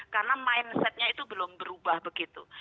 karena mindsetnya itu belum berubah begitu